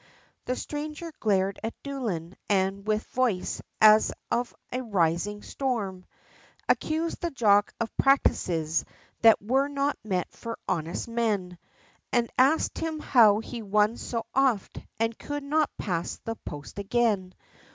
The stranger glared at Doolin, and with voice, as of a rising storm, Accused the jock of practices, that were not meet for honest men, And asked him how he won so oft, and could not pass the post again?